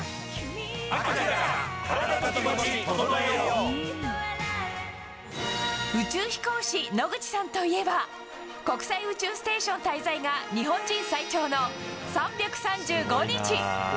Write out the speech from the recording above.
秋だから、カラダとキモチ整宇宙飛行士、野口さんといえば、国際宇宙ステーション滞在が日本人最長の３３５日。